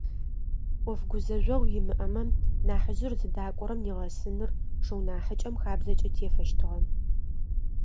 Ӏоф гузэжъогъу имыӏэмэ нахьыжъыр зыдакӏорэм нигъэсыныр шыу нахьыкӏэм хабзэкӏэ тефэщтыгъэ.